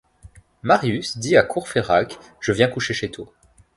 Marius dit à Courfeyrac: Je viens coucher chez toi.